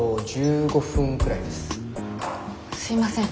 すいません。